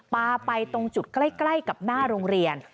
ปลาไปตรงจุดใกล้กับหน้าโรงเรียน